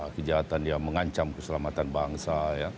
kejahatan yang mengancam keselamatan bangsa